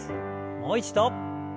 もう一度。